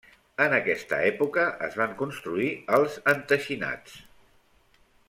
En aquesta època es van construir els enteixinats.